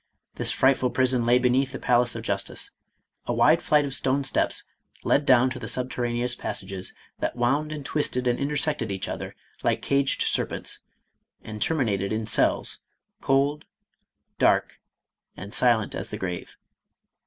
This frightful prison lay beneath the Palace of Justice. A wide flight of stone steps led down to the subterraneous passages that wound and twisted and intersected each other like MADAME ROLAND. 517 caged serpents, and terminated in cells, cold, dark, and silent as the grave.